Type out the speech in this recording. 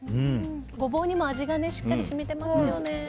ゴボウにも味がしっかり染みてますよね。